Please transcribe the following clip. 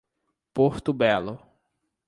Porto Belo